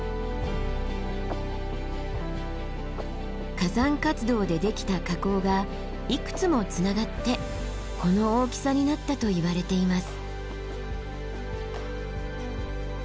火山活動でできた火口がいくつもつながってこの大きさになったといわれています。